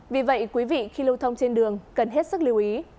vì vậy quý vị khi lưu thông trên đường cần hết sức lưu ý